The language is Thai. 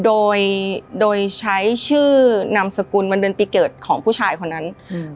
โดยโดยใช้ชื่อนามสกุลวันเดือนปีเกิดของผู้ชายคนนั้นอืม